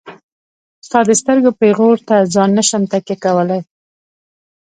ستا د سترګو پيغور ته ځان نشم تکيه کولاي.